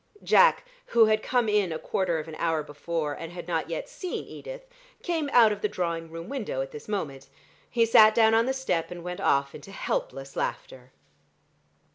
Jack who had come in a quarter of an hour before, and had not yet seen Edith, came out of the drawing room window at this moment. He sat down on the step, and went off into helpless laughter....